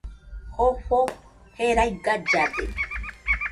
Jofo jerai gallade